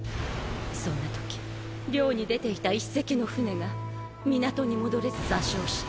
そんな時漁に出ていた一隻の船が港に戻れず座礁した。